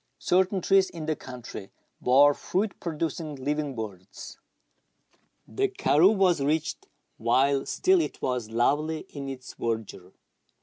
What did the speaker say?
II ,■^ certain trees in the country bore fruit producing livinjj birds. The karroo was reached while still it was lovely in its verdure.